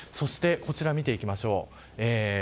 こちら見ていきましょう。